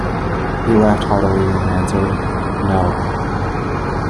He laughed heartily and answered, "No."